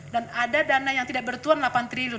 dan ada dana yang tidak bertuan delapan triliun